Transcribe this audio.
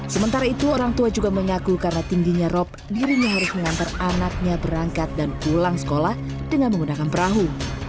sementara itu orang tua juga mengaku karena tingginya rop dirinya harus mengantar anaknya berangkat dan pulang sekolah dengan menggunakan perahu